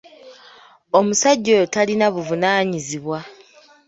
Omusajja oyo talinabuvunaanyizibwa.